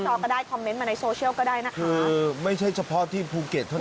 จอก็ได้คอมเมนต์มาในโซเชียลก็ได้นะคะเออไม่ใช่เฉพาะที่ภูเก็ตเท่านั้น